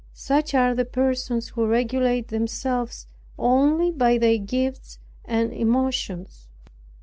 Such are the persons who regulate themselves only by their gifts and emotions.